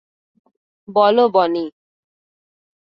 বলো, বনি।